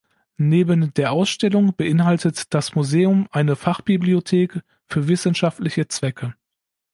Neben der Ausstellung beinhaltet das Museum eine Fachbibliothek für wissenschaftliche Zwecke.